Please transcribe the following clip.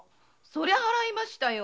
そりゃ払いましたよ。